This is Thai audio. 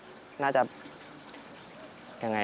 ทำทุกสามารถแบบสร้างธุรกิจตรงนี้ขึ้นมาได้